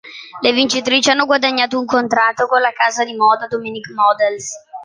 Le vincitrici hanno guadagnato un contratto con la casa di moda Dominique Models.